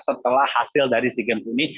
setelah hasil dari sea games ini